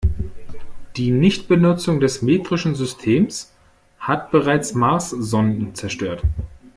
Die Nichtbenutzung des metrischen Systems hat bereits Marssonden zerstört.